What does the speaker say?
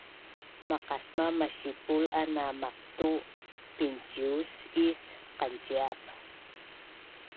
maqasmav masipul a na maqtu’ pincius is qanciap